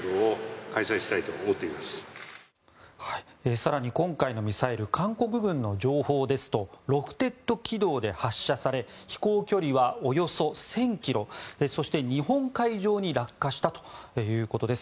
更に今回のミサイル韓国軍の情報ですとロフテッド軌道で発射され飛行距離はおよそ１０００ｋｍそして、日本海上に落下したということです。